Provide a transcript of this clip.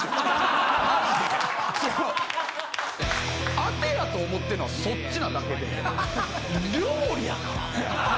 アテやと思ってんのはそっちなだけで料理やから。